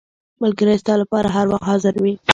• ملګری ستا لپاره هر وخت حاضر وي.